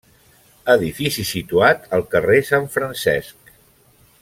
Edifici situat al carrer Sant Francesc.